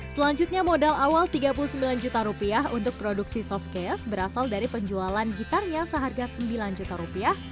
selanjutnya modal awal tiga puluh sembilan juta rupiah untuk produksi softcase berasal dari penjualan gitarnya seharga sembilan juta rupiah